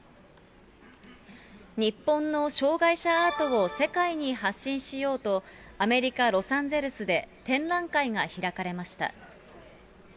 日本の障がい者アートを世界に発信しようと、アメリカ・ロサンゼルスで、展覧会が開かれました。